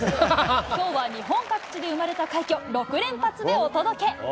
きょうは日本各地で生まれた快挙、６連発でお届け。